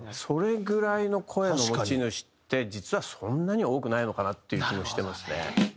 それぐらいの声の持ち主って実はそんなには多くないのかなっていう気もしてますね。